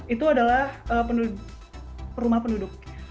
itu adalah rumah penduduk